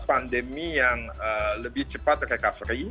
pandemi yang lebih cepat recovery